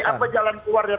jadi apa jalan keluarnya